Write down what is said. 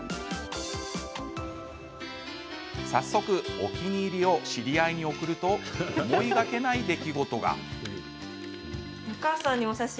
早速、お気に入りを知り合いに送ると思いがけない出来事が。